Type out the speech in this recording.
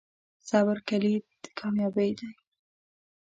صبر کلید د کامیابۍ دی.